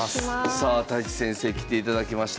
さあ太地先生来ていただきました。